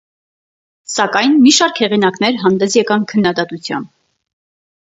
Սակայն, մի շարք հեղինակներ հանդես եկան քննադատությամբ։